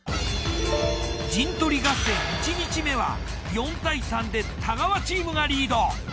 陣取り合戦１日目は４対３で太川チームがリード。